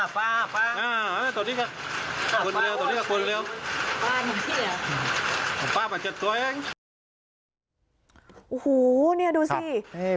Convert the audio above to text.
ไปแล้วไปแล้วไปแล้ว